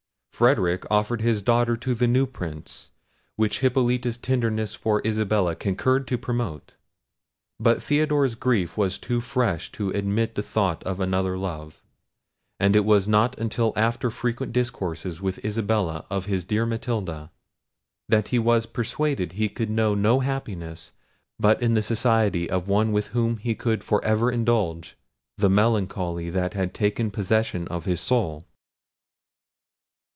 Frederic offered his daughter to the new Prince, which Hippolita's tenderness for Isabella concurred to promote. But Theodore's grief was too fresh to admit the thought of another love; and it was not until after frequent discourses with Isabella of his dear Matilda, that he was persuaded he could know no happiness but in the society of one with whom he could for ever indulge the melancholy that had taken possession of his soul.